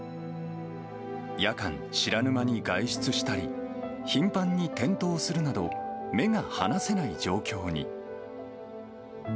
夜間、知らぬ間に外出したり、頻繁に転倒するなど、目が離せない状況に。